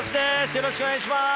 よろしくお願いします。